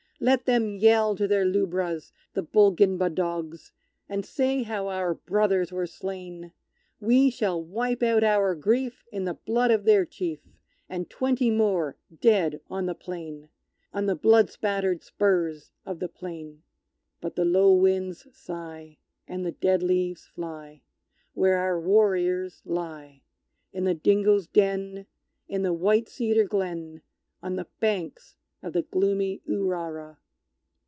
Let them yell to their lubras, the Bulginbah dogs, And say how our brothers were slain, We shall wipe out our grief in the blood of their chief, And twenty more dead on the plain On the blood spattered spurs of the plain! But the low winds sigh, And the dead leaves fly, Where our warriors lie, In the dingoes' den in the white cedar glen On the banks of the gloomy Urara!